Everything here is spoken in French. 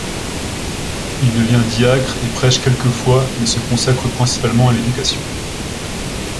Il devient diacre et prêche quelquefois mais se consacre principalement à l'éducation.